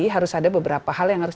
harus ada beberapa hal yang harus